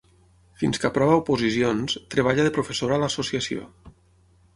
Fins que aprova oposicions, treballa de professora a l’Associació.